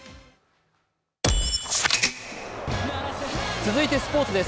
続いてスポーツです。